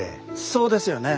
そうですよね。